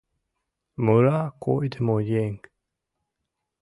Мура койдымо еҥ.